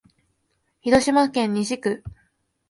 広島市西区